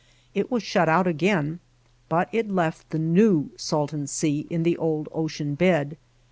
It was shut out again, but it left the new Salton Sea in the old ocean bed.